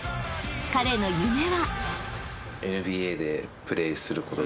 ［彼の夢は］